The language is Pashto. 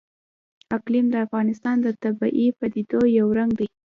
اقلیم د افغانستان د طبیعي پدیدو یو رنګ دی.